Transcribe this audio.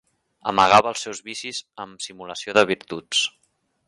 Amagava els seus vicis amb simulació de virtuts.